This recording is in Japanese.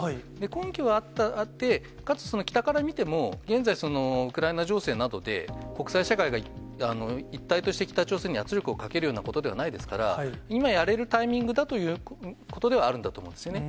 根拠はあって、かつ、その北から見ても、現在、ウクライナ情勢などで、国際社会が一体として北朝鮮に圧力をかけるようなことではないですから、今やれるタイミングだということではあるんだと思うんですよね。